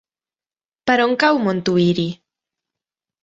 Per on cau Montuïri?